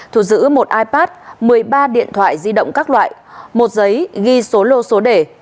thu giữ một ipad một mươi ba điện thoại di động các loại một giấy ghi số lô số đề